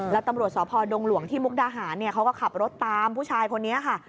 แล้วตำรวจสพดงหลวงที่มุกดาหารเขาก็ขับรถตามผู้ชายคนนี้ค่ะ